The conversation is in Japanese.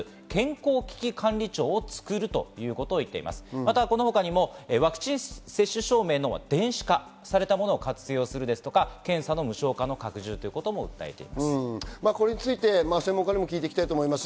また、この他にもワクチン接種証明の電子化されたものを活用するですとか検査の無償化の拡充ということも訴えています。